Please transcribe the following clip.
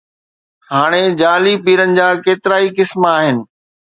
هاڻي جعلي پيرن جا ڪيترائي قسم آهن.